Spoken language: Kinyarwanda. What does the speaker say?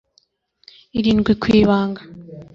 irindwi ku ibanga